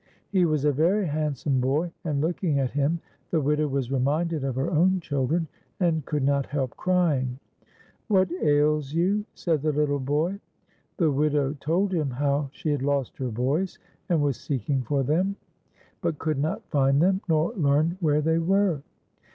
He was a very handsome boy, and looking at him, the widow was reminded of her own children, and could not help crying. " What ails you .''" said the little boy. The widow told him how she had lost her boys and was seeking for them, but could not find them nor learn where they were.